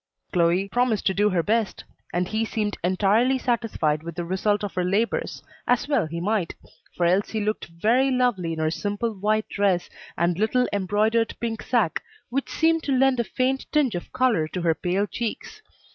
Chloe promised to do her best; and he seemed entirely satisfied with the result of her labors, as well he might, for Elsie looked very lovely in her simple white dress, and little embroidered pink sacque, which seemed to lend a faint tinge of color to her pale cheeks.